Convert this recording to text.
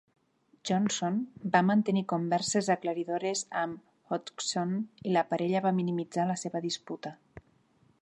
Johnson va mantenir converses aclaridores amb Hodgson i la parella va minimitzar la seva disputa.